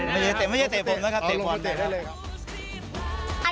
ไม่ใช่เตะฟุตบอลนะครับเตะได้เลยครับ